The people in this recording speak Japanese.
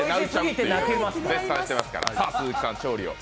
絶賛されていますから。